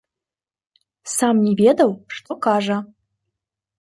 Сам не ведаў, што кажа!